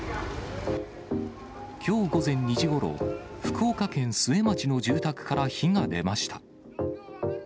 きょう午前２時ごろ、福岡県須恵町の住宅から火が出ました。